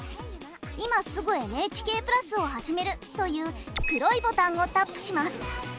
「今すぐＮＨＫプラスをはじめる」という黒いボタンをタップします。